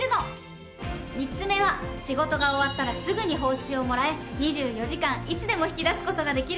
３つ目は仕事が終わったらすぐに報酬をもらえ２４時間いつでも引き出す事ができるの。